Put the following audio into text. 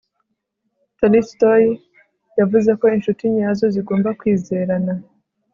Tolstoy yavuze ko inshuti nyazo zigomba kwizerana